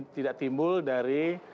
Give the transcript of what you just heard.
tidak timbul dari